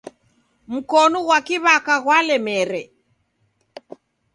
Mkonu ghwa kiw'aka ghwalemere.